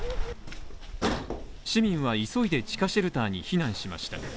市民は急いで地下シェルターに避難しました。